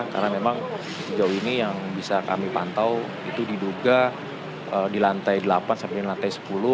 karena memang sejauh ini yang bisa kami pantau itu diduga di lantai delapan sampai di lantai sepuluh